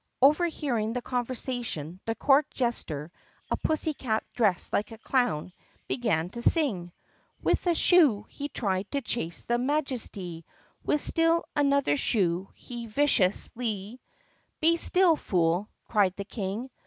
Overhearing the conversation the court jester, a pussycat dressed like a clown, began to sing: "With a 'shoo!' he tried to chase her Majestee, With still another shoe he viciouslee —" "Be still, fool!" cried the King.